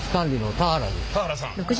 田原さん。